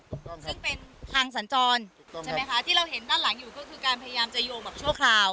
ถูกต้องซึ่งเป็นทางสัญจรถูกต้องใช่ไหมคะที่เราเห็นด้านหลังอยู่ก็คือการพยายามจะโยงแบบชั่วคราว